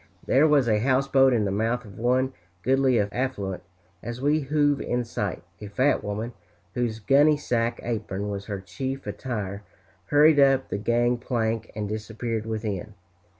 There was a houseboat in the mouth of one goodly affluent. As we hove in sight, a fat woman, whose gunny sack apron was her chief attire, hurried up the gang plank and disappeared within.